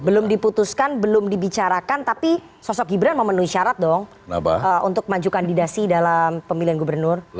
belum diputuskan belum dibicarakan tapi sosok gibran memenuhi syarat dong untuk maju kandidasi dalam pemilihan gubernur